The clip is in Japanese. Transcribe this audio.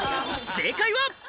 正解は。